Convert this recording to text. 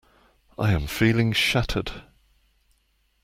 I am feeling shattered.